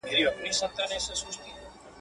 پاڅېدلی خروښېدلی په زمان کي.